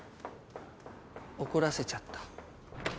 怒らせちゃった。